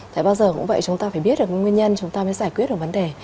tại bao giờ cũng vậy chúng ta phải biết được nguyên nhân chúng ta mới giải quyết được vấn đề